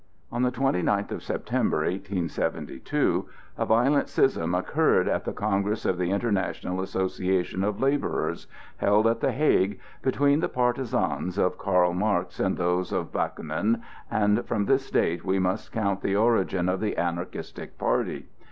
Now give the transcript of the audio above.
On the twenty ninth of September, 1872, a violent schism occurred at the congress of the International Association of Laborers, held at the Hague, between the partisans of Carl Marx and those of Bakúnin, and from this date we must count the origin of the anarchistic party.